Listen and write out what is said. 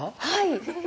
はい。